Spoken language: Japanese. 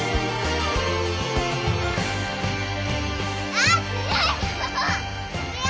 あっ強いよ！